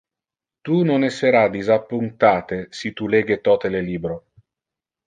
Tu non essera disappunctate si tu lege tote le libro.